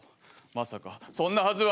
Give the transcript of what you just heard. まさかそんなはずはない！